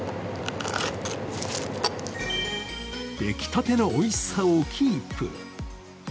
出来たてのおいしさをキープ。